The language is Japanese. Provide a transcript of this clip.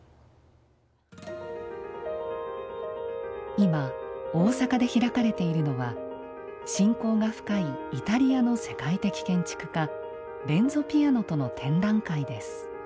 今大阪で開かれているのは親交が深いイタリアの世界的建築家レンゾ・ピアノとの展覧会です。